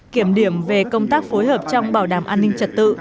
kiểm điểm về công tác phối hợp trong bảo đảm an ninh trật tự